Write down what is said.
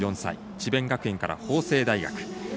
智弁学園から法政大学